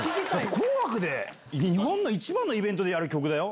紅白で、日本の一番のイベントでやる曲だよ。